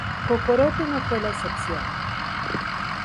Cocorote no fue la excepción.